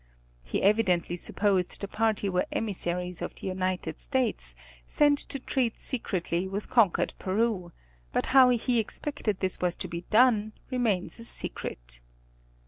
He evidently supposed the party were emissaries of the United States, sent to treat secretly with conquered Peru, but how he expected this was to be done remains a secret.